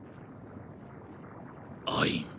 アイン。